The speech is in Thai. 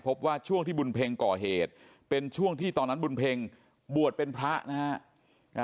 พบว่าช่วงที่บุญเพ็งก่อเหตุเป็นช่วงที่ตอนนั้นบุญเพ็งบวชเป็นพระนะฮะ